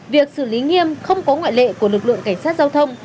việc xử lý nghiêm không có ngoại lệ của lực lượng cảnh sát giao thông